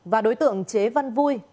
và đối tượng chế văn vui